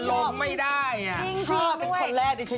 สวัสดีค่าข้าวใส่ไข่